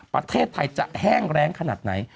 ประเทศไทยจะแห้งแรงขนาดไหน